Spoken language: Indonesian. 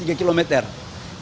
nanti habis dari sini